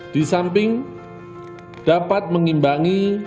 di samping dapat mengimbangi